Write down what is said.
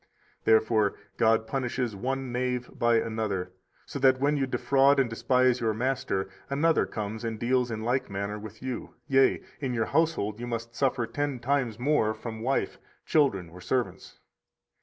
Therefore God punishes one knave by another, so that, when you defraud and despise your master, another comes and deals in like manner with you, yea, in your household you must suffer ten times more from wife, children, or servants.